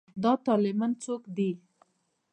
دا طالېمن څوک دی.